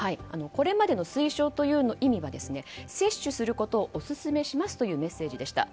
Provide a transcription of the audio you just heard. これまでの推奨の意味は接種することをオススメしますというメッセージでした。